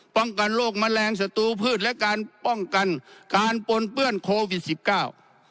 ป้องกันโรคแมลงสตูพืชและการป้องกันการปนเปื้อนโควิดสิบเก้า